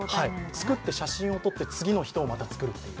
作って写真を撮って、次の人をまた作る。